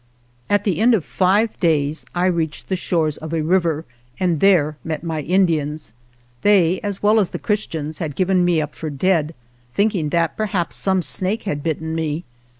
At the end of five days I reached the shores of a river and there met my Indians. They, as well as the Christians, had given me up for dead, thinking that perhaps some snake had bitten me.